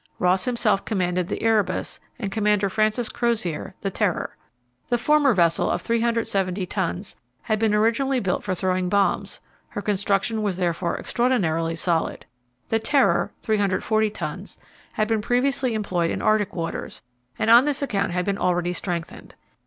Ross himself commanded the Erebus and Commander Francis Crozier the Terror. The former vessel, of 370 tons, had been originally built for throwing bombs; her construction was therefore extraordinarily solid. The Terror, 340 tons, had been previously employed in Arctic waters, and on this account had been already strengthened.